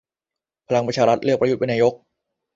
พลังประชารัฐเลือกประยุทธเป็นนายก